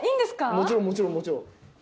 もちろんもちろんもちろん。